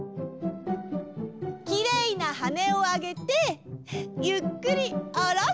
きれいなはねをあげてゆっくりおろす！